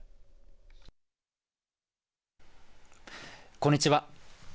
こんにちは。